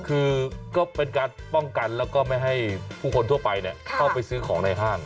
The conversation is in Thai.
คือก็เป็นการป้องกันแล้วก็ไม่ให้ผู้คนทั่วไปเข้าไปซื้อของในห้าง